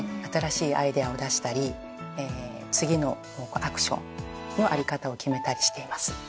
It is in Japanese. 新しいアイデアを出したり次のアクションの在り方を決めたりしています。